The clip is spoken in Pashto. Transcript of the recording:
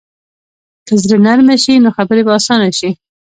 که زړه نرمه شي، نو خبرې به اسانه شي.